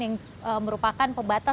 yang merupakan pembatas